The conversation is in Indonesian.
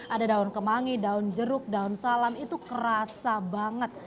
ada daun kemangi daun jeruk daun salam itu kerasa banget